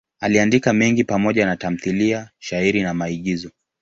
Aliandika mengi pamoja na tamthiliya, shairi na maigizo.